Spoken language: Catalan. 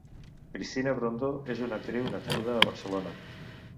Cristina Brondo és una actriu nascuda a Barcelona.